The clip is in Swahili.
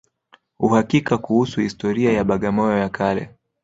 Uhakika kuhusu historia ya Bagamoyo ya kale